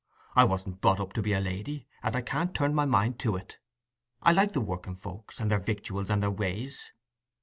I wasn't brought up to be a lady, and I can't turn my mind to it. I like the working folks, and their victuals, and their ways.